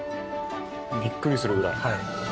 びっくりするぐらい。